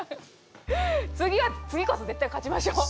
次こそ絶対勝ちましょう！